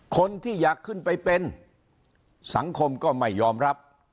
คนที่อยากขึ้นไปเป็นสังคมก็ไม่ยอมรับ